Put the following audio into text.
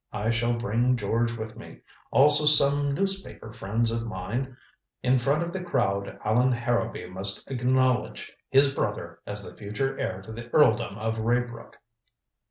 I shall bring George with me, also some newspaper friends of mine. In front of the crowd Allan Harrowby must acknowledge his brother as the future heir to the earldom of Raybrook."